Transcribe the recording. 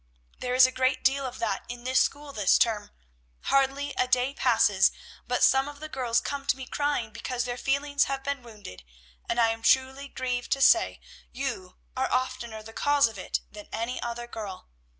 There is a great deal of that in this school this term. Hardly a day passes but some of the girls come to me crying because their feelings have been wounded, and I am truly grieved to say, you are oftener the cause of it than any other girl.